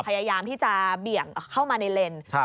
พยายามที่จะเบี่ยงเข้ามาในเลน